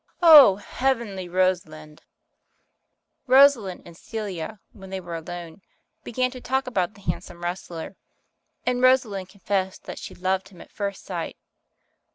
Oh, heavenly Rosalind !" Rosalind and Celia, when they were alone, began to talk about the handsome wrestler, and Rosalind confessed that she loved him at first sight.